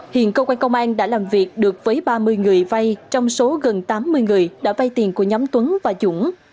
hiện cơ quan công an đã làm việc được với ba mươi người vay trong số gần tám mươi người đã vay tiền của nhóm tuấn và dũng